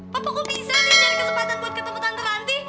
bapak kok bisa nih cari kesempatan buat ketemu tante nanti